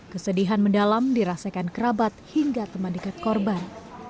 kesedihan mendalam dirasakan kerabat hingga teman dekat korban